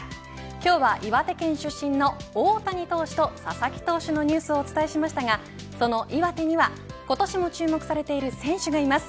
今日は岩手県出身の大谷投手と佐々木投手のニュースをお伝えしましたが、その岩手には今年も注目されている選手がいます。